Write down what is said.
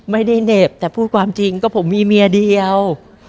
ไม่ได้เหน็บแต่พูดความจริงก็ผมมีเมียเดียว